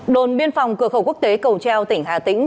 đồn biên phòng cửa khẩu quốc tế cầu treo tỉnh hà tĩnh